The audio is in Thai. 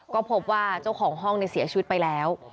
ก็พบว่าเจ้าของห้องเสียชีวิตไปแล้ว